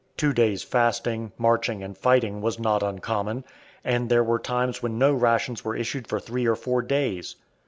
Two days' fasting, marching and fighting was not uncommon, and there were times when no rations were issued for three or four days.